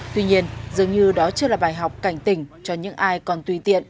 tuy nhiên dường như đó chưa là bài học cảnh tỉnh cho những ai còn tùy tiện